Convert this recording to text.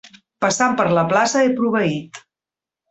Passant per la plaça he proveït.